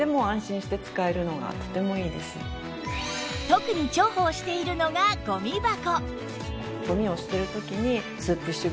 特に重宝しているのがゴミ箱